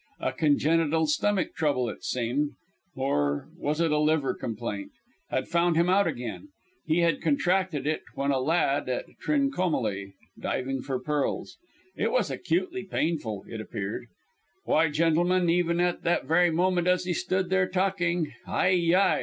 A congenital stomach trouble, it seemed or was it liver complaint had found him out again. He had contracted it when a lad at Trincomalee, diving for pearls; it was acutely painful, it appeared. Why, gentlemen, even at that very moment, as he stood there talking Hi, yi!